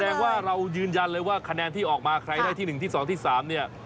แสดงว่าเรายืนยันเลยว่าคะแนนที่ออกมาใครได้ที่๑ที่๒ที่๓เนี่ย